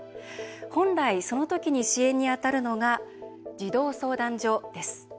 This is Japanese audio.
本来、その時に支援に当たるのが児童相談所です。